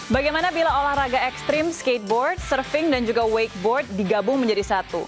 bagaimana bila olahraga ekstrim skateboard surfing dan juga wakeboard digabung menjadi satu